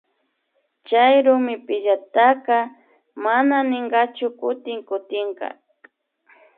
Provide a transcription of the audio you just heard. Chay rumipillataka nama nitkanachu kutin kutinka